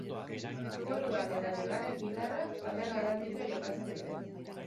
Koruak eta bigarren gitarrak paper garrantzitsua jokatzen dute.